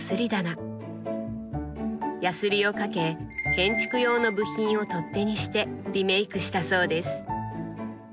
やすりをかけ建築用の部品を取っ手にしてリメークしたそうです。